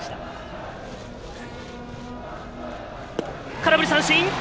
空振り三振！